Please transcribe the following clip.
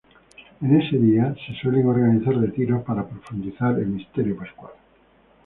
En este día se suelen organizar retiros para profundizar el misterio pascual.